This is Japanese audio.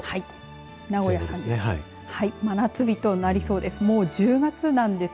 名古屋３０度真夏日となりそうです。